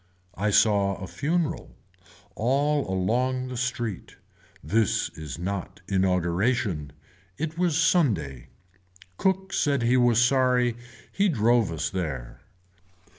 I saw a funeral. All along the street. This is not inauguration. It was Sunday. Cook said he was sorry he drove us there.